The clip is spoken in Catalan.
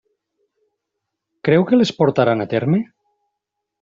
Creu que les portaran a terme?